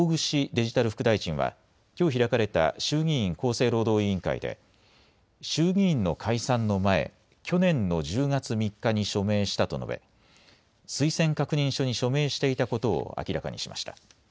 デジタル副大臣はきょう開かれた衆議院厚生労働委員会で衆議院の解散の前、去年の１０月３日に署名したと述べ推薦確認書に署名していたことを明らかにしました。